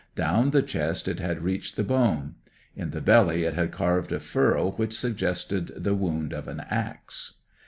Down the chest it had reached the bone; in the belly it had carved a furrow which suggested the wound of an axe.